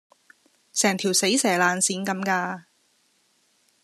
成條死蛇爛鱔咁㗎